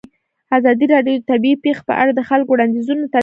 ازادي راډیو د طبیعي پېښې په اړه د خلکو وړاندیزونه ترتیب کړي.